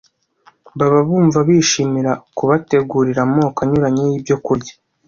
baba bumva bishimira kubategurira amoko anyuranye yibyokurya